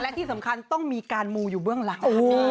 และที่สำคัญต้องมีการมูอยู่เบื้องหลัง